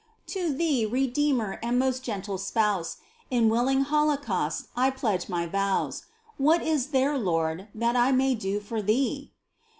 To Thee, Redeemer and most gentle Spouse, In willing holocaust I pledge my vows. What is there. Lord, that I may do for Thee